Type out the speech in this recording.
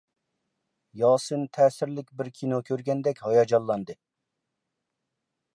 ياسىن تەسىرلىك بىر كىنو كۆرگەندەك ھاياجانلاندى.